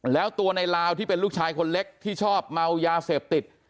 แล้วตัวในลาวที่เป็นลูกชายคนเล็กที่ชอบเมายาเสพติด